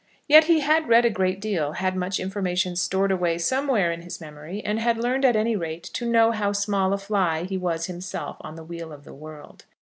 Yet he read a great deal, had much information stored away somewhere in his memory, and had learned at any rate to know how small a fly he was himself on the wheel of the world.